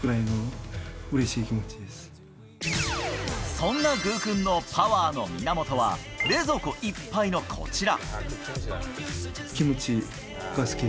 そんなグーくんのパワーの源は、冷蔵庫いっぱいのこちら！